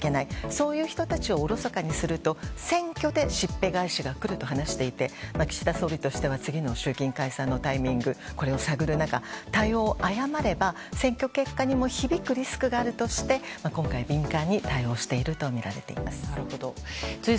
そういう人たちをおろそかにすると選挙でしっぺ返しが来ると話していて岸田総理としては次の衆議院解散のタイミングをこれを探る中、対応を誤れば選挙結果に響くリスクがあるとして今回、敏感に対応しているとみられています。